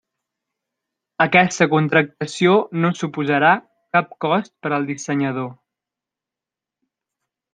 Aquesta contractació no suposarà cap cost per al dissenyador.